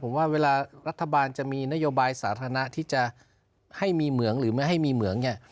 ผมว่าเวลารัฐบาลจะมีนโยบายสาธารณะที่จะให้มีเหมืองหรือไม่ให้มีเหมืองเนี่ย